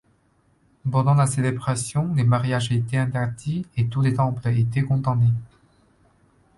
Pendant la célébration, les mariages étaient interdits et tous les temples étaient condamnés.